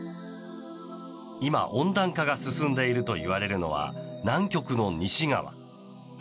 今、温暖化が進んでいるといわれるのは南極の西側。